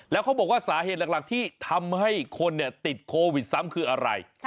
แล้วเขาบอกว่าสาเหตุหลักที่ทำให้คนติดโควิดซ้ำคืออะไร